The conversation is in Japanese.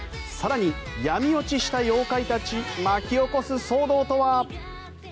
更に、闇落ちした妖怪たち巻き起こす騒動とは？